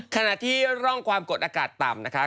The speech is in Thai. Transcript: ขณะที่ร่องความกดอากาศต่ำนะคะ